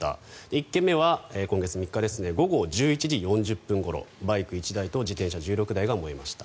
１件目は今月３日午後１１時４０分ごろバイク１台と自転車１６台が焼けました。